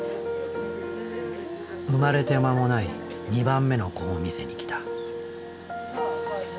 生まれて間もない２番目の子を見せに来た。